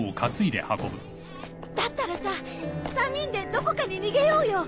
・だったらさ３人でどこかに逃げようよ。